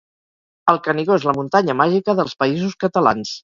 El Canigó és la muntanya màgica dels Països Catalans